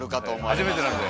初めてなんで。